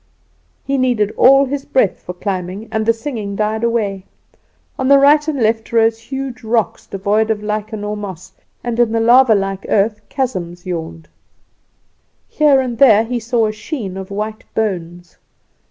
He needed all his breath for climbing, and the singing died away. On the right and left rose huge rocks, devoid of lichen or moss, and in the lava like earth chasms yawned. Here and there he saw a sheen of white bones.